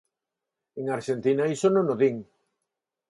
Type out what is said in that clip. En Arxentina iso non o din.